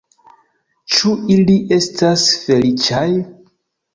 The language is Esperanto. Ĉu ili estas feliĉaj?